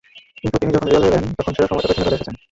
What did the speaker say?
কিন্তু তিনি যখন রিয়ালে এলেন তখন সেরা সময়টা পেছনে ফেলে এসেছেন।